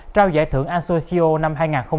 trao giải thưởng asocio năm hai nghìn hai mươi